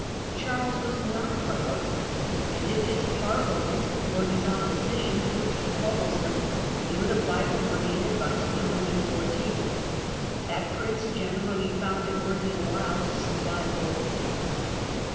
Charles was not proud, and if his par liament or his opposition proved troublesome he would apply for money and advice to Louis XIV. That prince generally found it worth his while to supply both.